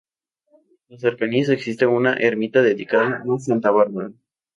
En sus cercanías existe una ermita dedicada a Santa Bárbara.